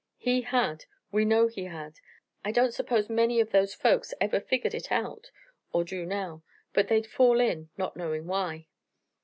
He had. We know he had. I don't suppose many of those folks ever figured it out, or do now. But they'd fall in, not knowing why."